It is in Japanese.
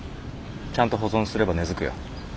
ちゃんと保存すれば根づくよ。